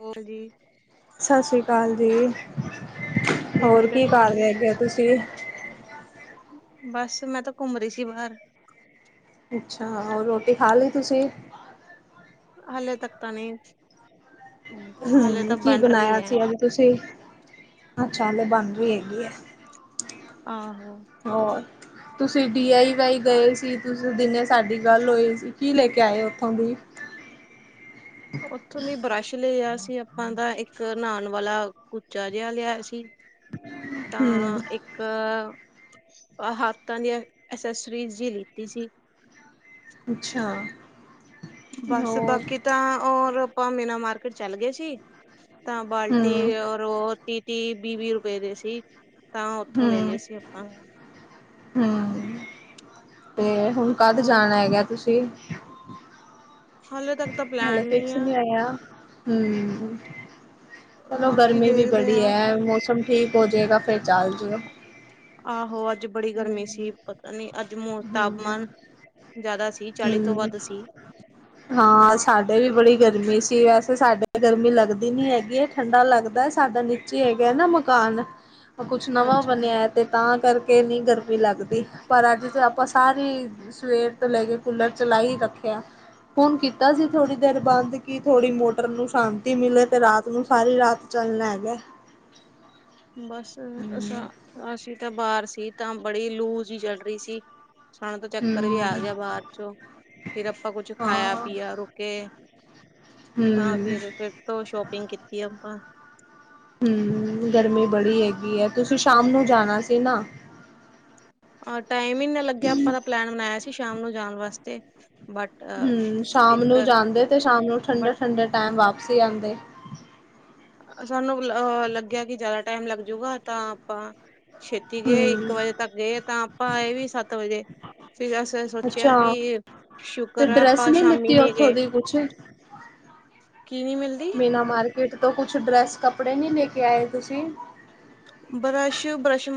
ਹੋਰ ਜੀ ਸਤਿ ਸ੍ਰੀ ਅਕਾਲ ਜੀ, ਹੋਰ ਕਰਦੇ ਕੀ ਪਏ ਕਰ ਹੋ? ਰਹੇ ਹੈਗੇ ਤੁਸੀਂ? ਬਸ ਮੈਂ ਤਾਂ ਘੁੰਮ ਰਹੀ ਸੀ ਬਾਹਰ, ਅੱਛਾ, ਹੋਰ ਰੋਟੀ ਖਾ ਲਈ ਤੁਸੀਂ? ਹਲੇੇ ਤੱਕ ਤਾਂ ਨਹੀਂ, ਹਾਲੇ ਹੂੰ, ਤਾਂ ਕੀ ਬਣ ਰਹੀ ਬਣਾਇਆ ਹੈ। ਸੀ ਅੱਜ ਤੁਸੀਂ? ਅੱਛਾ ਹਲੇ ਬਣ ਰਹੀ ਹੈਗੀ ਐ। ਆਹੋ, ਹੋਰ ਤੁਸੀਂ ਡੀ ਆਈ ਵਾਈ ਗਏ ਸੀ, ਤੁਸੀਂ ਦਿਨੇ ਸਾਡੀ ਗੱਲ ਹੋਈ ਸੀ। ਕੀ ਲੈ ਕੇ ਆਏ ਉੱਥੋਂ ਦੀ, ਉੱਥੋਂ ਦੀ ਬਰੱਸ਼ ਲਿਆ ਸੀ, ਆਪਾਂ ਦਾ ਇੱਕ ਨਹਾਣ ਵਾਲਾ ਕੁਚਾ ਜਿਹਾ ਲਿਆ ਸੀ। ਤਾਂ ਹਮ ਇੱਕ, ਹੱਥਾਂ ਦੀਆਂ ਅਸੈਸਰੀਜ਼ ਵੀ ਲਿੱਤੀ ਸੀ, ਅੱਛਾ, ਬਸ ਹੋਰ ਬਾਕੀ ਤਾਂ ਹੋਰ ਆਪਾਂ ਮੀਨਾ ਮਾਰਕੀਟ ਚੱਲ ਗਏ ਸੀ। ਤਾਂ ਬਾਲਟੀ ਹਮ ਉਹ ਤੀਹ-ਤੀਹ, ਵੀਹ-ਵੀਹ ਰੁਪਏ ਦੇ ਸੀ। ਤਾਂ ਉੱਥੋਂ ਲੈ ਲਏ ਸੀ ਆਪਾਂ, ਹੂੰ, ਤੇ ਹੁਣ ਕਦ ਹੋਰ ਜਾਣਾ ਹੈਗਾ ਤੁਸੀਂ? ਹੱਲੇ ਤੱਕ ਤਾਂ ਹੱਲ ਪਲੈਨ ਨਹੀਂ ਫੇਸ ਆ। ਨ ਆਇ ਹੂੰ, ਚਲੋ ਬਾਕੀ ਗਰਮੀ ਵੀ ਦੇਖਦੇ ਬੜੀ ਹਾਂ ਹੈ, ਮੌਸਮ ਠੀਕ ਹੋ ਜਾਏਗਾ ਫਿਰ ਚੱਲ ਜਿਓ। ਆਹੋ ਅੱਜ ਬੜੀ ਗਰਮੀ ਸੀ ਪਤਾ ਨੀ, ਅੱਜ ਤਾਪਮਾਨ ਹਮ ਜ਼ਿਆਦਾ ਸੀ, ਚਾਲੀ ਤੋਂ ਹਮ ਵੱਧ ਸੀ। ਹਾਂ ਸਾਡੇ ਵੀ ਬੜੀ ਗਰਮੀ ਸੀ ਵੈਸੇ, ਸਾਡੇ ਗਰਮੀ ਲੱਗਦੀ ਨੀ ਹੈਗੀ ਐ, ਠੰਡਾ ਲੱਗਦਾ ਸਾਡਾ ਨੀਚੇ ਹੈਗਾ ਨਾ ਮਕਾਨ ਕੁਛ ਨਵਾਂ ਅੱਛਾ। ਬਣਿਆ ਹੈ, ਅਤੇ ਤਾਂ ਕਰਕੇ ਨਹੀਂ ਗਰਮੀ ਲੱਗਦੀ ਪਰ ਅੱਜ ਆਪਾਂ ਸਾਰੇ ਸਵੇਰ ਤੋਂ ਲੈ ਕੇ ਕੂਲਰ ਚਲਾਈ ਹੀ ਰੱਖਿਆ। ਹੁਣ ਕੀਤਾ ਸੀ, ਥੋੜ੍ਹੀ ਦੇਰ ਬੰਦ ਕਿ ਥੋੜ੍ਹੀ ਮੋਟਰ ਨੂੰ ਸ਼ਾਂਤੀ ਮਿਲੇ ਤੇ ਰਾਤ ਨੂੰ ਸਾਰੀ ਰਾਤ ਚੱਲਨਾ ਹੈਗਾ। ਬਸ ਹਮ ਅ ਅਸੀਂ ਤਾਂ ਬਾਹਰ ਸੀ ਤਾਂ ਬੜੀ ਲੂਜ ਹੀ ਚੱਲ ਰਹੀ ਸੀ। ਸਾਨੂੰ ਤਾਂ ਚੱਕਰ ਵੀ ਹਮ ਆ ਗਿਆ, ਬਾਹਰ ਚੋਂ ਫਿਰ ਆਪਾਂ ਕੁਛ ਖਾਇਆ ਹਾਂ ਪੀਆ ਰੁਕੇ। ਤਾਂ ਹਮ ਫਿਰ-ਫਿਰ ਤੋਂ ਸ਼ੋਪਿੰਗ ਕੀਤੀ ਆ ਆਪਾਂ ਹੂੰ, ਗਰਮੀ ਬੜੀ ਹੈਗੀ ਐ ਤੁਸੀਂ ਸ਼ਾਮ ਨੂੰ ਜਾਣਾ ਸੀ ਨਾ। ਟਾਈਮ ਹੀ ਇਨਾ ਲੱਗਿਆ ਆਪਾਂ ਦਾ ਪਲੈਨ ਬਣਾਇਆ ਸੀ, ਸ਼ਾਮ ਨੂੰ ਜਾਣ ਵਾਸਤੇ। ਬਟ ਹੂੰ, ਸ਼ਾਮ ਇੱਕ ਨੂੰ ਜਾਂਦੇ ਤੇ ਸ਼ਾਮ ਨੂੰ ਬਟ ਠੰਡੇ ਠੰਡੇ ਟਾਈਮ ਵਾਪ ਸੀ ਆਦੇ, ਸਾਨੂੰ ਅ ਲੱਗਿਆ ਕਿ ਜ਼ਿਆਦਾ ਟਾਈਮ ਲੱਗ ਜੂਗਾ ਤਾਂ ਆਪਾਂ, ਛੇਤੀ ਗਏ, ਇੱਕ ਹੂੰ, ਵਜੇ ਤੱਕ ਗਏ ਤਾਂ ਆਪਾਂ ਆਏ ਵੀ ਸੱਤ ਵਜੇ ਫੇਰ ਅਸੀਂ ਸੋਚਿਆ ਅੱਛਾ ਕਿ ਤੇ ਸ਼ੁਕਰ ਡਰੈਸ ਆਪਾਂ ਸ਼ਾਮੀ ਲਿੱਤੀ ਨੀ ਉੱਥੋਂ ਗਏ। ਦੀ ਕੁਛ? ਕੀ ਨੀ ਮਿਲਦੀ ਮੀਨਾ ਮਾਰਕੀਟ ਤੋਂ ਕੁਛ ਡਰੈਸ ਕੱਪੜੇ ਨੀ ਲੈ ਕੇ ਆਏ ਤੁਸੀਂ ਬਰਸ਼-ਬਰਸ਼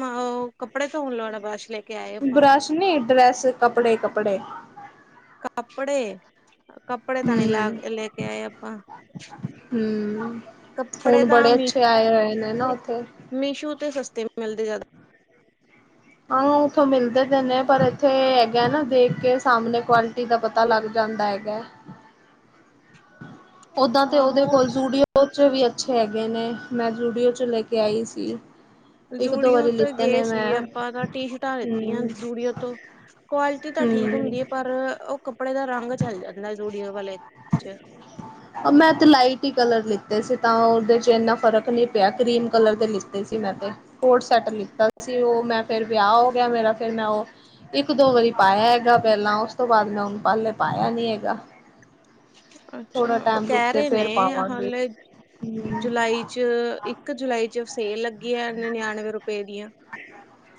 ਕੱਪੜੇ ਸੋਣ ਲਣਾ ਬਰਸ਼ ਲੈ ਕੇ ਆਏ ਆਪਾਂ ਬਰਸ਼ ਨੀ ਡਰੈਸ ਕੱਪੜੇ-ਕੱਪੜੇ ਕੱਪੜੇ-ਕੱਪੜੇ ਤਾਂ ਨਹੀਂ ਲਾ ਹੂੰ, ਲੈ ਕੇ ਆਏ ਆਪਾਂ ਹੂੰ, ਕੱਪੜੇ ਹੁਣ ਤਾਂ ਬੜੇ ਮੀ ਅੱਛੇ ਆਏ ਹੋਹੇ ਨੇ ਨਾ ਉੱਥੇ ਮੀਸ਼ੂ ਸਸਤੇ ਮਿਲਦੇ ਜਿਆਦਾ ਹਾਂ। ਉੱਥੋਂ ਮਿਲਦੇ ਤੇ ਨੇ ਪਰ ਇੱਥੇ ਹੈਗਾ ਨਾ ਦੇਖ ਕੇ ਸਾਹਮਣੇ ਕੁਆਲਿਟੀ ਦਾ ਪਤਾ ਲੱਗ ਜਾ ਚੰਗਾ ਹੈਗਾ। [inaudible] ਓਦਾਂ ਤੇ ਉਹਦੇ ਆਹੋ ਕੋਲ ਜੂਡੀਓ ਚ ਵੀ ਅੱਛੇ ਹੈਗੇ ਨੇ। ਮੈਂ ਜੂਡੀਓ ' ਲੈ ਕੇ ਆਈ ਸੀ। ਇੱਕ ਦੋ ਜੂੜਓ ਵਾਰੀ ਤੇ ਲਿੱਤੇ ਗਏ ਨੇ ਸੀ ਮੈਂ ਆਪਾਂ ਤਾਂ ਟੀ ਸ਼ਟਾਂ ਲਿੱਤੀਆਂ। ਹੂੰ ਜੂੜਓ ਤੋਂ ਕੁਆਲਿਟੀ ਦਾ ਠੀਕ ਹੁੰਦੀ ਹੈ। ਹੂੰ ਪਰ ਉਹ ਕੱਪੜੇ ਦਾ ਰੰਗ ਉ ਚਾਹੀਦਾ ਨਾਲੇ ਜੂਡਿਉ ਵਾਲ ਲੇ ਚ ਮੈਂ ਤੇ ਲਾਈਟ ਹੀ ਕਲਰ ਲਿੱਤੇ ਸੀ ਤਾਂ ਉਹਦੇ ਚ ਇੰਨਾ ਫ਼ਰਕ ਨਹੀਂ ਪਿਆ। ਕਰੀਮ ਕਲਰ ਦੇ ਲਿੱਤੇ ਸੀ। ਮੈਂ ਤੇ ਕੋਟ ਸੈਟ ਲਿੱਤਾ ਸੀ। ਸੀ। ਉਹ ਮੈਂ ਫੇਰ ਵਿਆਹ ਹੋ ਗਿਆ। ਮੇਰਾ ਫੇਰ ਮੈਂ ਉਹ ਇੱਕ- ਦੋ ਵਾਰੀ ਪਾਇਆ ਹੈਗਾ। ਪਹਿਲਾਂ ਉਸ ਤੋਂ ਬਾਅਦ ਮੈਂ ਉਹਨੂੰ ਪਲੇ ਪਾਇਆ ਨੀ ਹੈਗਾ। ਅੱਛਾ। ਥੋੜਾ ਉਹ ਟਾਈਮ ਰੁਕ ਕਹਿ ਕੇ ਰਹੇ ਨੇ ਫੇਰ ਪਾਵਾਂਗੇ ਹਾਲੇ ਹੂੰ ਜੁਲਾਈ ਚ ਇੱਕ ਜੁਲਾਈ ਚ ਸੇਲ ਲੱਗੀ ਹੈ। ਨਨਨਵੇਂ ਰੁਪਏ ਦੀਆਂ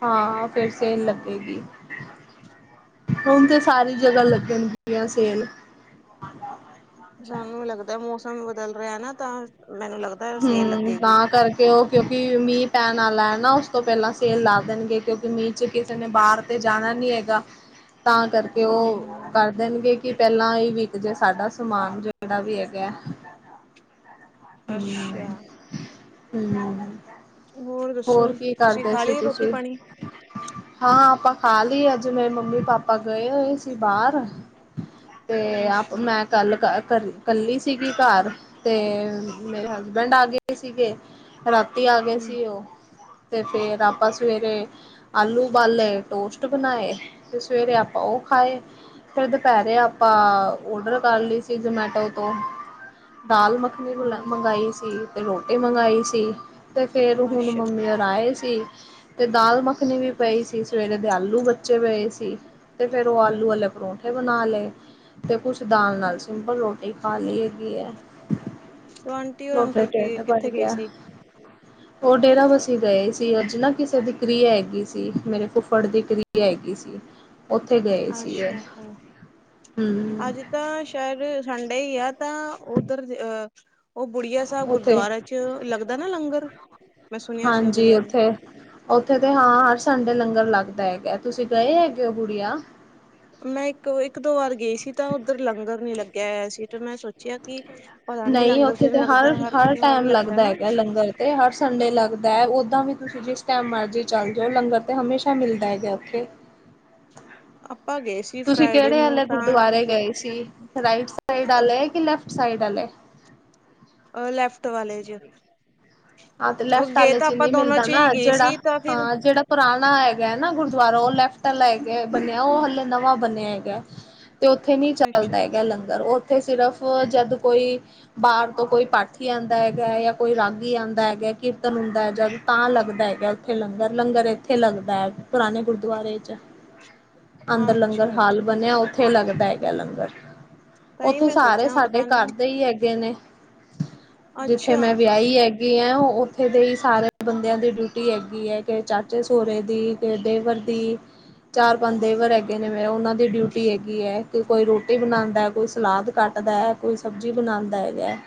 ਹਾਂ, ਫਿਰ ਸੇਲ ਲੱਗੇਗੀ। ਹੁਣ ਤੇ ਸਾਰੀ ਜਗ੍ਹਾ ਲੱਗਣ ਸੇਲ ਸਾਨੂੰ ਲੱਗਦਾ ਮੌਸਮ ਬਦਲ ਰਿਹਾ ਨਾ। ਤਾਂ ਮੈਨੂੰ ਲੱਗਦਾ ਸੇਲ ਹਮ। ਲੱਗੇਗੀ ਤਾਂ ਕਰਕੇ ਉਹ ਕਿਉਂਕਿ ਮੀਹ ਪੈਣ ਲੈਣਾ ਉਸ ਤੋਂ ਪਹਿਲਾਂ ਸੇਲ ਲਾ ਦੇਣਗੇ ਕਿਉਂਕਿ ਮੀਂਹ ਚ ਕਿਸੇ ਨੇ ਬਾਹਰ ਤੇ ਜਾਣਾ ਨਹੀਂ ਹੈਗਾ। ਤਾਂ ਕਰਕੇ ਉਹ ਆਹੋ ਕਰ ਦੇਣਗੇ ਕਿ ਪਹਿਲਾਂ ਹੀ ਤੇ ਜੇ ਸਾਡਾ ਸਮਾਨ ਜਿਹੜਾ ਵੀ ਹੈਗਾ। ਹੂੰ ਅੱਛਾ। ਹੂੰ, ਦੱਸੋ ਹੋਰ ਕੀ ਤੁਸੀਂ ਕਰਦੇ ਖਾ ਸੀ। ਲਈ ਰੋਟੀ ਤੁਸੀਂ ਪਾਣੀ ਹਾਂ। ਆਪਾਂ ਹਾਲ ਹੀ ਅੱਜ ਮੇਰੇ ਮੰਮੀ- ਪਾਪਾ ਗਏ ਹੋਏ ਸੀ। ਬਾਹਰ ਤੇ ਆਪ ਅੱਛਾ ਮੈਂ ਕੱਲ ਕਰ ਕੱਲੀ ਸੀਗੀ ਘਰ ਤੇ ਮੇਰੇ ਹਸਬੈਂਡ ਆ ਗਏ ਸੀਗੇ। ਰਾਤੀ ਆ ਗਏ ਹਮ ਸੀ। ਉਹ ਅਤੇ ਫਿਰ ਆਪਾਂ ਸਵੇਰੇ ਆਲੂ ਬਾਲੇ ਟੋਸਟ ਬਣਾਏ। ਤੇ ਸਵੇਰੇ ਆਪਾਂ ਉਹ ਖਾਏ। ਫਿਰ ਦੁਪਹਿਰੇ ਆਪਾਂ ਓਡਰ ਕਰ ਲਈ ਸੀ। ਜਮੈਟੋ ਤੋਂ ਦਾਲ ਮੱਖਣੀ ਮੰਗਵਾਾਈ ਸੀ ਤੇ ਰੋਟੀ ਮੰਗਾਈ ਸੀ। ਤੇ ਫੇਰ ਹੁਣ ਅੱਛਾ ਮੰਮੀ ਆਏ ਸੀ। ਤੇ ਦਾਲ- ਮੱਖਣੀ ਵੀ ਪਈ ਸੀ। ਸਵੇਰੇ ਦੇ ਆਲੂ ਬੱਚੇ ਪਏ ਸੀ। ਤੇ ਫਿਰ ਉਹ ਆਲੂ ਵਾਲੇ ਪਰੌਂਠੇ ਬਣਾ ਲਏ। ਤੇ ਕੁਛ ਦਾਲ ਨਾਲ ਸਿੰਪਲ ਰੋਟੀ ਖਾ ਲਈ ਹੈਗੀ ਹੈ। ਤੇ ਆਂਟੀ ਔਰ ਉਥੇ ਅੰਕਲ ਕੀ ਢਿੱਡ ਭਰ ਕਿੱਥੇ ਗਏ ਗਿਆ। ਸੀ ਉਹ ਡੇਰਾ ਵਸੀ ਗਏ ਸੀ। ਅੱਜ ਨਾ ਕਿਸੇ ਦੀ ਕ੍ਰਿਆ ਹੈਗੀ ਸੀ। ਮੇਰੇ ਫੁੱਫੜ ਦੀ ਕ੍ਰਿਆ ਹੈਗੀ ਸੀ। ਉੱਥੇ ਗਏ ਸੀ ਇਹ ਅੱਛਾ। ਅ ਹੂੰ ਅੱਜ ਤਾਂ ਸ਼ਾਇਰ ਸੰਡੇ ਹੀ ਆ। ਤਾਂ ਉੱਧਰ ਅਹ ਉਹ ਬੁੜੀਆ ਸਾਹਿਬ ਉੱਥੇ ਗੁਰਦੁਆਰ ਚ ਲੱਗਦਾ ਨਾ ਲੰਗਰ। ਮੈਂ ਸੁਣਿਆ ਸੀ ਉਹਦੇ ਹਾਂਜੀ। ਬਾਰੇ ਉੱਥੇ-ਉੱਥੇ ਤੇ ਹਾਂ ਹਰ ਸੰਡੇ ਲੰਗਰ ਲੱਗਦਾ ਹੈਗਾ। [unintelligible] ਹੋ ਜੇ ਗੁੜਿਯਾ। ਮੈਂ ਇੱਕ-ਇੱਕ- ਦੋ ਵਾਰ ਗਈ ਸੀ। ਤਾਂ ਉੱਧਰ ਲੰਗਰ ਨੀ ਲੱਗਿਆ ਹੋਇਆ ਸੀ। ਤੇ ਮੈਂ ਸੋਚਿਆ ਕਿ ਪਤਾ ਨੀ ਨਹੀਂ ਲੰਗਰ ਉੱਥੇ ਕਿਵੇਂ ਤੇ ਲੱਗਦਾ ਹਰ ਹਰ-ਹਰ ਗੁਰਦੁਆਰੇ ਟਾਈਮ ਲੱਗਦਾ ਨਾ ਹੈਗਾ ਲੰਗਰ ਤੇ ਹਰ ਸੰਡੇ ਲੱਗ ਓਦਾਂ ਵੀ ਤੁਸੀਂ ਜਿਸ ਟਾਈਮ ਮਰਜ਼ੀ ਚੱਲ ਜਾਓ। ਲੰਗਰ ਤੇ ਹਮੇਸ਼ਾ ਮਿਲਦਾ ਹੈਗਾ ਉੱਥੇ [inaudible] ਸੀ ਤੁਸੀਂ ਫਰਾਈਡੇ ਕੇੜੇ ਨੂੰ ਹਲੇ ਗੁਰਦੁਆਰੇ ਗਏ ਸੀ। ਰਾਈਟ ਸਾਈਡ ਆਲੇ, ਤਾਂ ਕਿ ਲੈਫਟ ਸਾਈਡ ਆਲੇ। ਅ ਲੈਫਟ ਵਾਲੇ ਜੇ। ਹਾਂ, ਤੇ ਲੈਫਟ ਆਲੇ ਚ ਨੀ ਮਿਲਦਾ ਹੀ ਨਾ ਗਏ ਜੇੜਾ ਸੀ ਤਾਂ ਫਿਰ ਹਾਂ। ਜੇੜਾ ਪੁਰਾਣਾ ਹੈਗੈ ਨਾ ਗੁਰ ਦੁਵਾਰਾ ਓਹ ਲੈਫਟ ਆਲਾ ਹੈਗੈ ਬਣਿਆ। ਓਹ ਹਲੇ ਨਵਾਂ ਬਣਿਆ ਹੈਗੈ। ਤੇ ਔਥੇ ਨੀ ਅੱਛਾ ਚੱਲਦਾ ਹੈਗਾ ਅੱਛਾ ਲੰਗਰ, ਔਥੇ ਸਿਰਫ ਜਦ ਕੋਈ ਬਾਰ ਤੋਂ ਕੋਈ ਪਾਠੀ ਆਂਦਾ ਹੈਗਾ ਯਾ ਕੋਈ ਰਾਗੀ ਆਂਦਾ ਦਾ ਹੈਗਾ ਕੀਰਤਨ ਹੁੰਦਾ ਜਦ ਤਾਂ ਲੱਗਦਾ ਹੈਗਾ ਉੱਥੇ ਲੰਗਰ, ਲੰਗਰ ਏਥੇ ਲੱਗਦੈ। ਪੁਰਾਣੇ ਗੁਰਦੁਆਰੇ ਚ, ਅੰਦਰ ਲੰਗਰ ਅੱਛਾ ਹਾਲ ਅੱਛਾ ਬਣਿਆ ਔਥੇ ਲੱਗਦਾ ਏ। ਦਾ ਲੰਗਰ ਤਾਂ ਹੀ ਔਥੇ ਮੈਂ ਸਾਰੇ ਸੋਚਿਆ ਸਾਡੇ ਪਤਾ ਨੀ ਘਰਦੇ ਹੀ ਹੈਗੇ ਨੇ। ਜਿੱਥੇ ਅੱਛਾ ਮੈਂ ਵਿਆਹੀ ਹੈਗੀ ਆ ਔਥੇ ਦੇ ਹੀ ਸਾਰੇ ਬੰਦਿਆਂ ਦੀ ਡਿਊਟੀ ਹੈਗ ਗੀ ਐ, ਕੇ ਚਾਚੇ ਸੋਰੇ ਦੀ, ਕੇ ਦੇਵਰ ਦੀ, ਚਾਰ ਪੰਜ ਦੇਵਰ ਹੈਗੇ ਨੇ ਮੇਰ ਉਨਾਂ ਦੀ ਦੀ ਡਿਊਟੀ ਹੈਗੀ ਐ। ਕੋਈ ਰੋਟੀ ਬਣਾਦਾ, ਕੋਈ ਸਲਾਦ ਕੱਟਦਾ, ਕੋਈ ਸਬਜ਼ੀ ਬਣਾਂਦਾ ਹੈਗੈ।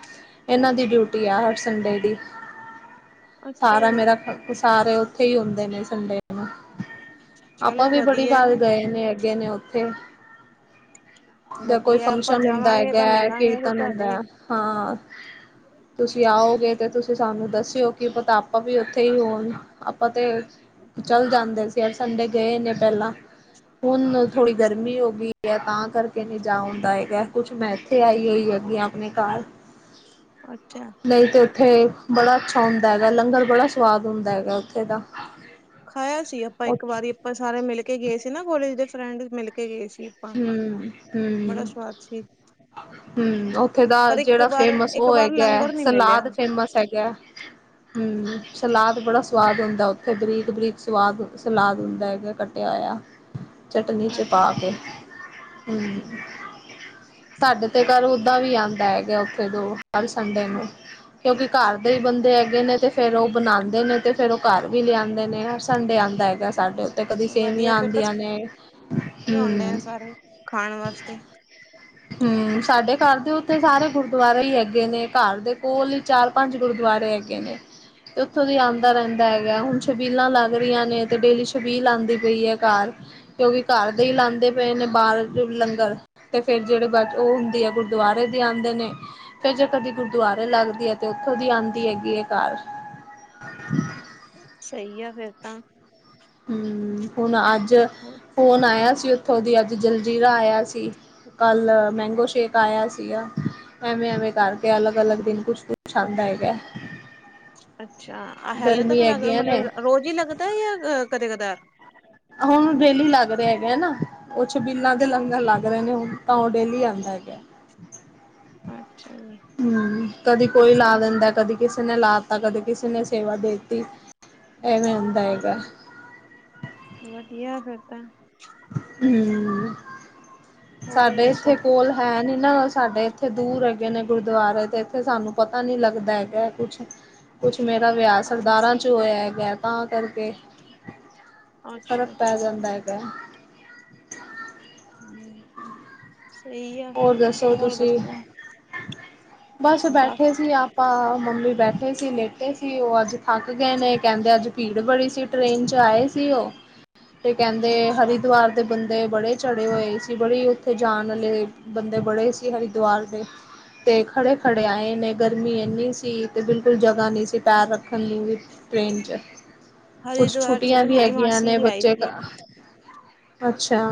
ਏਨਾਂ ਦੀ ਡਿਊਟੀ ਆ ਹਰ ਸੰਡੇ ਦੀ। ਅੱਛਾ ਸਾਰਾ ਜੀ ਮੇਰਾ ਖ ਸਾਰੇ ਓਥੇ ਹੀ ਹੋੰਦੇ ਨੇ ਸੰਡੇ ਨੂੰ। ਆਪਾਂ ਚਲੋ ਵੀ ਬੜੀ ਵਧੀਆ ਵਾਰ ਗਏ ਨੇ ਅੱਗੇ ਨੇ ਉਥੇ। ਜਾਂ ਕੋਈ ਵਧੀਆ ਆਪਾਂ ਫੰਕਸ਼ਨ ਹੁੰਦਾ ਜਾਵਾਂਗੇ ਤਾਂ ਹੈਗੈ, ਮਿਲਾਂਗੇ ਫਿਰ ਕੀਰਤਨ ਤੁਹਾਡੇ ਹੁੰਦਾ, ਹਾਂ। ਤੁਸੀਂ ਆਓਗੇ ਤੇ ਤੁਸ ਤੁ ਸਾਨੂੰ ਦੱਸਿਓ ਕਿ ਪਤਾ ਆਪਾਂ ਵੀ ਔਥੇ ਹੀ ਹੋਣ, ਆਪਾਂ ਤੇ ਚੱਲ ਜਾਂਦੇ ਸੀ ਹਰ ਸੰਡੇ ਗਏ ਨੇ ਪਹਿਲਾਂ। ਹੁਣ ਥੋੜੀ ਗਰਮੀ ਹੋਗੀ ਐ, ਤਾਂ ਕਰਕੇ ਨੀਂ ਜਾ ਹੁੰਦਾ ਹੈਗਾ। ਕੁਛ ਮੈਂ ਐਥੇ ਆਈ ਹੋਈ ਹੈਗੀ ਆਂ ਆਪਣੇ ਘਰ। ਅੱਛਾ ਨਹੀਂ ਤੇ ਉੱਥੇ ਬੜਾ ਅੱਛਾ ਹੁੰਦਾ ਹੈਗਾ, ਲੰਗਰ ਬੜਾ ਸਵਾਦ ਹੁੰਦਾ ਹੈਗਾ ਉੱਥੇ ਦਾ। ਖਾਇਆ ਸੀ ਆਪਾਂ ਹਮ ਇੱਕ ਵਾਰੀ, ਆਪਾਂ ਸਾਰੇ ਮਿਲ ਕੇ ਗਏ ਸੀ ਨਾ ਕੋਲੇਜ ਦੇ ਫਰੈਂਡ ਮਿਲ ਕੇ ਗਏ ਸੀ। ਆਪਾਂ ਬੜਾ ਸਵਾਦ ਸੀ। ਹੂੰ, ਉੱਥੇ ਦਾ ਪਰ ਇੱਕ ਜੇੜਾ ਵਾਰ ਫੇਮਸ ਇੱਕ ਓਹ ਵਾਰ ਹੈਗੈ, ਲੰਗਰ ਨੀ ਮਿਲਿਆ ਸਲਾਦ ਫੇਮਸ ਹੈਗੈ। ਹੂੰ, ਸਲਾਦ ਬੜਾ ਸਵਾਦ ਹੁੰਦਾ ਉਦਾਂ ਥੇ ਬਰੀਕ- ਬਰੀਕ ਸਵਾਦ ਸਲਾਦ ਹੁੰਦਾ ਹੈਗਾ ਕੱਟਿਆ ਹੋਇਆ। ਚਟਨੀ ਚ ਪਾ ਅੱਛਾ ਕੇ, ਹੂੰ। ਸਾਡੇ ਤੇ ਘਰ ਓਦਾਂ ਵੀ ਆਂਦਾ ਹੈਗਾ ਉੱਥੇ ਦੋ ਹਰ ਸੰਡੇ ਨੂੰ। ਕਿਉਂਕਿ ਘਰ ਦੇ ਬੰਦੇ ਹੈਗੇ ਨੇ ਤੇ ਫਿਰ ਓਹ ਬਣਾਂਦੇ ਨੇ ਤੇ ਫਿਰ ਓਹ ਘਰ ਵੀ ਲਿਆਂਂਦੇ ਨੇ। ਸੰਡੇ ਆੰਦਾ ਹੈਗਾ ਸਾਡੇ ਉੱਤੇ, ਕਦੀ ਵਧੀਆ ਸੇਵੀਆਂ ਫਿਰ ਆੰਦੀਆਂ ਨੇ, ਹੂੰ। ਰੇ ਖਾਣ ਵਾਸਤੇ। ਹੂੰ, ਸਾਡੇ ਘਰ ਦੇ ਉੱਥੇ ਸਾਰੇ ਗੁਰਦੁਆਰੇ ਹੀ ਹੈਗੇ ਨੇ ਘਰ ਦੇ ਕੋਲ ਹੀ ਚਾਰ ਪੰਜ ਗੁਰਦੁਆਰੇ ਰੇ ਹੈਗੇ ਨੇ ਤੇ ਉੱਥੋਂ ਦੀ ਆਂਦਾ ਰੈੰਦਾ ਹੈਗਾ। ਹੁਣ ਛਬੀਲਾਂ ਲੱਗ ਰੀਆਂ ਨੇ ਤੇ ਡੇਲੀ ਛਬੀਲ ਆੰਦੀ ਪਈ ਐ ਘਰ, ਕਿਉਂਕਿ ਘਰ ਦੇ ਹੀ ਲਾਦੇ ਪਏ ਨੇ ਬਾਰ ਲੰਗਰ। ਤੇ ਫਿਰ ਜੇੜੇ ਬਚ ਓਹ ਹੁੰਦੀ ਐ ਗੁਰਦੁਆਰੇ ਦੇ ਆਦੇ ਨੇ। ਫਿਰ ਜੇ ਕਦੇ ਗੁਰਦੁਆਰੇ ਲੱਗਦੀ ਹੈ, ਤੇ ਉੱਥੋਂ ਦੀ ਆਦੀ ਹੈਗੀ ਐ ਘਰ। [inaudible] ਸਹੀ ਆ ਫਿਰ ਤਾਂ। ਹੂੰ, ਹੁਣ ਅੱਜ ਫੋਨ ਆਯਾ ਸੀ ਉੱਥੋਂ ਦੀ ਅ ਤੇ ਜਲਜੀਰਾ ਆਯਾ ਸੀ, ਕੱਲ ਮੈਂਗੋ ਸ਼ੇਕ ਆਯਾ ਸੀਗਾ। ਐਵੇਂ ਐਵੇਂ ਕਰਕੇ ਅਲੱਗ ਅਲੱਗ ਦਿਨ ਕੁਛ ਕੁਛ ਆਦਾ ਹੈਗੈ। ਅੱਛਾ ਅ ਹੈਲੇੇ ਤੱਕ ਲੱਗ ਨੇ ਮਤਲਬ ਰੋਜ਼ ਹੀ ਲੱਗਦੈ ਯਾ ਕਦੇ ਕਦਾਰ। ਓਹ ਛਬੀਲਾਂ ਦੇ ਲੰਗਰ ਲੱਗ ਰੇ ਨੇ ਹੁਣ ਤਾਂ ਓਹ ਡੇਲੀ ਆਦਾ ਹੈਗੈ। [unintelligible] ਹੂੰ, ਕਦੀ ਕੋਈ ਲਾ ਦਿੰਦਾ, ਕਦੀ ਕਿਸੇ ਨੇ ਲਾ ਤਾ, ਕਦੇ ਕਿਸੇ ਨੇ ਸੇਵਾ ਦੇਤੀ। ਐਵੇਂ ਹੁੰਦਾ ਹੈਗਾ। ਵਧੀਆ ਫਿਰ ਤਾਂ। ਹੂ - ਹੋਰ ਸਾਡੇ ਇੱਥੇ ਦੱਸੋ ਕੋਲ ਹੈ ਨੀ ਇਹਨਾਂ ਨਾਲ ਸਾਡੇ ਇੱਥੇ ਦੂਰ ਹੈਗੇ ਨੇ ਗੁਰਦੁਆਰੇ ਤੇ ਇੱਥੇ ਸਾਨੂੰ ਪਤਾ ਨੀ ਲੱਗਦਾ ਹੈਗਾ ਕੁਛ ਕੁਛ ਮੇਰਾ ਵਿਆਹ ਸਰਦਾਰਾਂ ਚ ਹੋਇਆ ਹੈਗਾ ਤਾਂ ਕਰ ਫ਼ਰਕ ਅੱਛਾ ਪੈ ਅੱਛਾ ਜਾਂਦਾ ਹੈਗਾ ਸਹੀ ਆ ਫਿਰ ਹੋਰ ਤਾਂ ਦੱਸੋ ਹੋਰ ਤੁਸੀਂ ਦੱਸੋ ਬਸ ਬੈਠੇ ਸੀ ਆਪਾਂ ਮੰਮੀ ਬੈਠੇ ਸੀ ਲੇਟੇ ਸੀ ਉਹ ਅੱਜ ਥੱਕ ਗਏ ਨੇ ਕਹਿੰਦੇ ਅੱਜ ਸਪੀਡ ਬੜੀ ਸੀ ਟ੍ਰੇਨ ਚ ਆਏ ਸੀ ਉਹ ਤੇ ਕਹਿੰਦੇ ਅੱਛਾ ਹਰਿਦਵਾਰ ਦੇ ਬੰਦੇ ਬੜੇ ਚੜੇ ਹੋਏ ਸੀ ਬੜੀ ਉੱਥੇ ਜਾਣ ਵਾਲੇ ਬੰਦੇ ਬੜੇ ਸੀ ਹਰਿਦਵਾਰ ਦੇ ਤੇ ਖੜੇ ਖੜੇ ਆਏ ਨੇ ਗਰਮੀ ਇੰਨੀ ਸੀ ਤੇ ਬਿਲਕੁਲ ਜ੍ਹਾ ਨਹੀ ਸੀ ਪੈਰ ਰੱਖਣ ਲਈ ਵੀ ਟ੍ਰੇਨ ਚ ਕੁਛ ਹਰਿਦੁਆਰ ਚ ਛੁੱਟੀਆਂ ਤਾਂ ਵੀ ਮੇਰੀ ਹੈਗੀਆਂ ਮਾਸੀ ਨੇ ਵੀ ਆਈ ਬੱਚੇ ਸੀ ਅੱਛਾ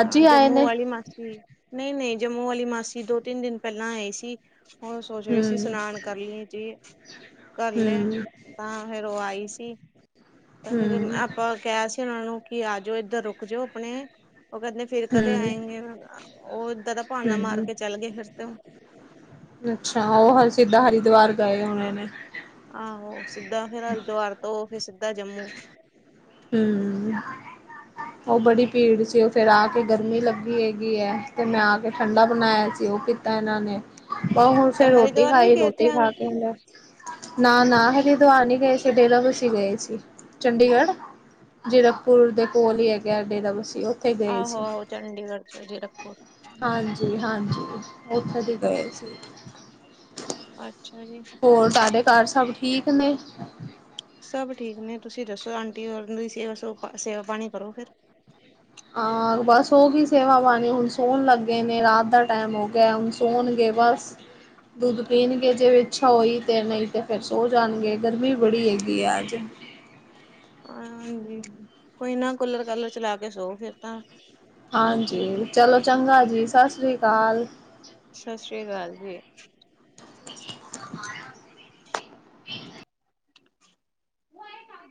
ਅੱਜ ਹੀ ਆਏ ਜੰਮੂ ਨੇ ਵਾਲੀ ਮਾਸੀ ਨਹੀਂ ਨੇ ਜੰਮੂ ਵਾਲੀ ਮਾਸੀ ਦੋ ਤਿੰਨ ਦਿਨ ਪਹਿਲਾਂ ਆਏ ਸੀ ਹੋਰ ਸੋਚ ਰਹੇ ਸੀ ਹੂੰ ਸ਼ਨਾਨ ਕਰ ਲਈਏ ਜੀ ਕਰ ਲਏ ਹੂੰ ਤਾਂ ਫੇਰ ਉਹ ਆਈ ਸੀ ਤਾਂ ਫਿਰ ਹੂੰ ਆਪਾਂ ਕਿਹਾ ਸੀ ਉਹਨਾਂ ਨੂੰ ਕਿ ਆ ਜਾਓ ਇੱਧਰ ਰੁਕ ਜਾਓ ਆਪਣੇ ਉਹ ਕਹਿੰਦੇ ਫਿਰ ਕਦੇ ਹੂੰ ਆਏਗੇ ਉਹ ਏਦਾਂ ਦਾ ਬਹਾਨਾ ਮਾਰ ਹੂੰ ਕੇ ਚੱਲ ਗਏ ਫਿਰ ਤੋਂ ਅੱਛਾ ਉਹ ਹਰ ਸਿੱਧਾ ਹਰਿਦੁਵਾਰ ਗਏ ਹੋਣੇ ਨੇ ਆਹੋ ਸਿੱਧਾ ਫੇਰ ਹਰਿਦਵਾਰ ਤੋਂ ਫਿਰ ਸਿੱਧਾ ਜੰਮੂ ਹਮ ਉਹ ਬੜੀ ਭੀੜ ਸੀ ਉਹ ਫੇਰ ਆ ਕੇ ਗਰਮੀ ਲੱਗੀ ਹੈਗੀ ਹੈ ਤੇ ਮੈਂ ਆ ਕੇ ਠੰਡਾ ਬਣਾਇਆ ਸੀ ਕੀਤਾ ਇਹਨਾਂ ਨੇ ਪਰ ਹੁਣ ਤਾਂ ਫੇਰ ਰੋਟੀ ਹਰਿਦੁਆਰ ਵੀ ਖਾਈ ਗਏ ਥੇ ਰੋਟੀ ਖਾ ਆਹੋ ਕੇ ਹ ਨਾ ਨਾ ਹਰਿਦਵਾਰ ਨਹੀਂ ਗਏ ਸੀ ਡੇਰਾ ਬਸੀ ਗਏ ਸੀ ਚੰਡੀਗੜ੍ਹ ਜੀਰਕਪੁਰ ਦੇ ਕੋਲ ਹੀ ਹੈਗਾ ਡੇਰਾ ਬਸੀ ਉਹ ਆਹੋ -ਆਹੋ ਚੰਡੀਗੜ੍ਹ ਚ ਜੀਰਕਪੁਰ ਹਾਂਜੀ ਹਾਂਜੀ ਉਥੇ ਦੀ ਗਏ ਸੀ ਅੱਛਾ ਜੀ ਹੋਰ ਤੁਹਾਡੇ ਘਰ ਸਭ ਠੀਕ ਨੇ ਸਭ ਠੀਕ ਨੇ ਤੁਸੀਂ ਦੱਸੋ ਆਂਟੀ ਦੀ ਸੇਵਾ ਸ ਪਾਣੀ ਕਰੋ ਫਿਰ ਹਾਂ ਬਸ ਹੋਗੀ ਸੇਵਾ ਪਾਣੀ ਹੁਣ ਸੋਣ ਲੱਗੇ ਨੇ ਰਾਤ ਦਾ ਟਾਈਮ ਹੋ ਗਿਆ ਹੁਣ ਸੋਣਗੇ ਬਸ ਦੁੱਧ ਪੀਣਗੇ ਜੇ ਇੱਛਾ ਹੋਈ ਤੇ ਨਹੀਂ ਤੇ ਫਿਰ ਸੌ ਜਾਣਗੇ ਗਰਮੀ ਬੜੀ ਹੈਗੀ ਆ ਅਜ ਹਾਂਜੀ ਕੋਈ ਨਾ ਕੂਲਰ ਕਾਲਰ ਚਲਾ ਕੇ ਸੋ ਫਿਰ ਤਾਂ ਹਾਂਜੀ ਚਲੋ ਚੰਗਾ ਜੀ ਸਤਿ ਸ੍ਰੀ ਅਕਾਲ ਸਤਿ ਸ੍ਰੀ ਅਕਾਲ ਜੀ [inaudible]